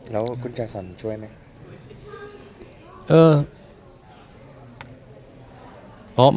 แล้วคุณจักรสรรดิ์ช่วยไหม